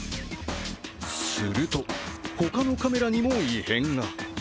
すると、他のカメラにも異変が。